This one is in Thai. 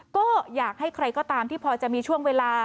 ก็อยากให้ใครก็ตามที่พอจะมีช่วงเวลา